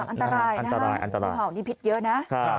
อันตรายนะฮะอันตรายอันตรายนี่ผิดเยอะนะ